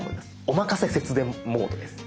おまかせ節電モードです。